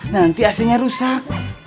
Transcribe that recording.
nanti ac nya rusak